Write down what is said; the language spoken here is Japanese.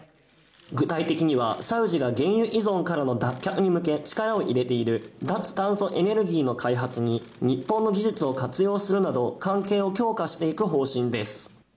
具体的には、サウジが原油依存への脱却に向け力を入れている脱炭素エネルギーの開発に日本の技術を活用するなど、関係を強化していく方針です。